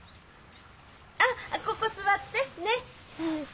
ああここ座ってねえ。